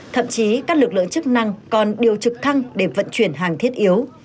thậm chí các lực lượng chức năng còn điều trực thăng để vận chuyển hàng thiết yếu